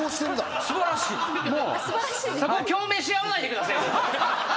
そこ共鳴し合わないでくださいよ！